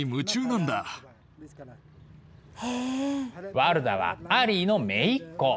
ワルダはアリーのめいっ子。